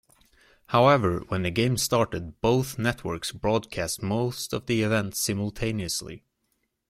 However, when the Games started, both networks broadcast most of the events simultaneously.